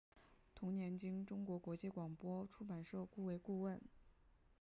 同年经中国国际广播出版社雇为顾问。